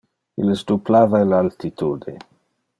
Illes duplava le altitude.